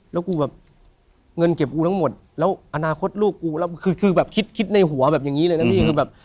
แล้วเงินเก็บอู๋ทั้งหมดแล้วอนาคตลูกกูคิดในหัวแบบอย่างนี้เลยนะพี่